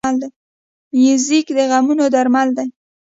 موزیک د غمونو درمل دی.